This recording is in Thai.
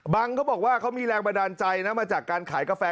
บังเค้าบอกว่าเค้ามีแรงระดันใจมาจากการขายกาแฟ